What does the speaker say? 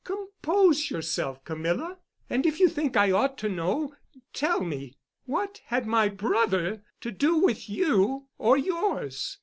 "Compose yourself, Camilla, and if you think I ought to know, tell me. What had my brother to do with you or yours?